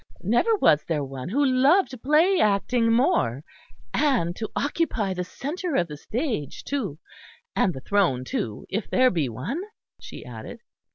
"Never was there one who loved play acting more and to occupy the centre of the stage, too. And the throne too, if there be one," she added.